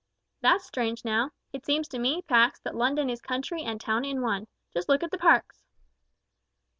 "That's strange now; it seems to me, Pax, that London is country and town in one. Just look at the Parks."